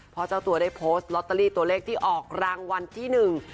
เพราะเจ้าตัวได้โพสต์ลอตเตอรี่ตัวเลขที่ออกรางวัลที่หนึ่ง